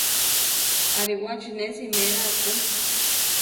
Aríwachi ne simera ku.